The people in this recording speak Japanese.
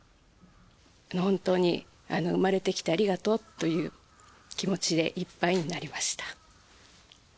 本当に産まれてきてありがとうっていう気持ちでいっぱいになりました。